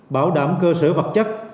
bảo đảm cơ sở vật chất